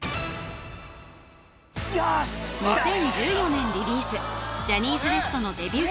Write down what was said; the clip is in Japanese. ２０１４年リリースジャニーズＷＥＳＴのデビュー曲